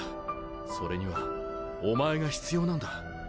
それにはお前が必要なんだ。